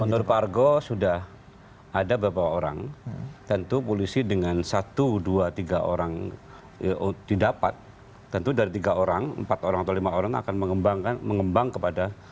menurut pak argo sudah ada beberapa orang tentu polisi dengan satu dua tiga orang didapat tentu dari tiga orang empat orang atau lima orang akan mengembangkan mengembang kepada